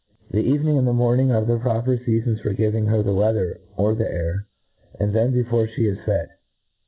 The evening and the ihorning are the ptoper feafons for gi^ng her the weather or the air^ and then before ffie i? fed.